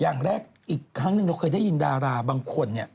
อย่างแรกอีกครั้งหนึ่งเราเคยได้ยินดาราบางคนเนี่ย